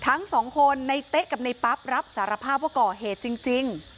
ทั้งสองคนในเต๊ะกับในปั๊บรับสารภาพว่าก่อเหตุจริง